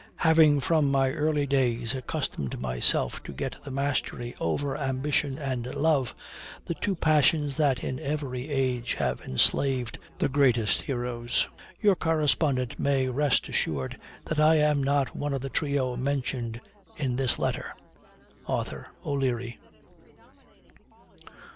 "Having from my early days accustomed myself to get the mastery over ambition and love the two passions that in every age have enslaved the greatest heroes your correspondent may rest assured that I am not one of the trio mentioned in this letter. Arthur O'Leary."